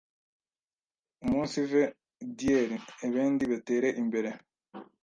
umunsive dyeri. ebendi betere imbere.